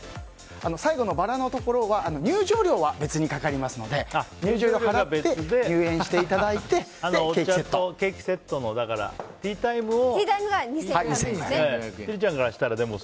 最後のバラのところは入場料は別にかかるので入場料を払って入園していただいてあのケーキセットのティータイムが２５００円ですね。